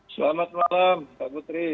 selamat malam mbak putri